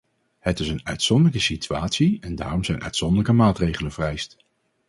Het is een uitzonderlijke situatie en daarom zijn uitzonderlijke maatregelen vereist.